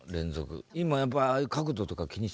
今やっぱああいう角度とか気にしたりすんの？